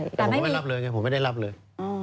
แต่ผมก็ไม่รับเลยไงผมไม่ได้รับเลย